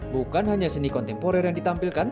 bukan hanya seni kontemporer yang ditampilkan